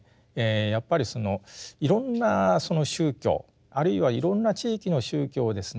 やっぱりいろんなその宗教あるいはいろんな地域の宗教をですね